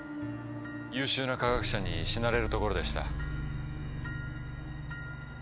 優秀な科学者に死なれるところでした。